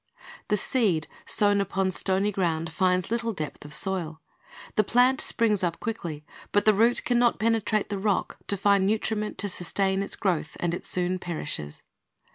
The seed sown upon stony ground finds little depth of soil. The plant springs up quickly, but the root can not penetrate the rock to find nutriment to sustain its growth, and it soon perishes.